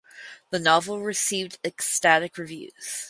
The novel received ecstatic reviews.